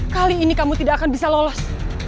kali ini kamu tidak akan bisa lolos